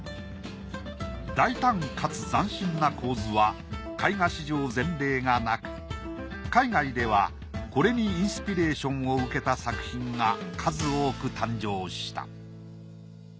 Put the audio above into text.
大胆かつ斬新な構図は絵画史上前例がなく海外ではこれにインスピレーションを受けた作品が数多く誕生した。